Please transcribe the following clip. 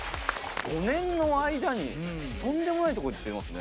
５年の間にとんでもないとこいってますね。